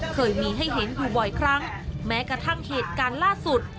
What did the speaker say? เคยมีให้เห็นอยู่บ่อยครั้งแม้กระทั่งเหตุการณ์ล่าสุด